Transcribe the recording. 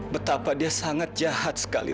betapa dia sangat jahat sekali